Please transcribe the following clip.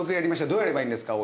どうやればいいんですか？